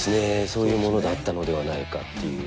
そういうものだったのではないかという。